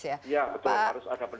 ya betul harus ada pendampingan